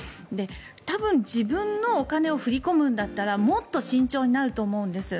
多分、自分のお金を振り込むんだったらもっと慎重になると思うんです。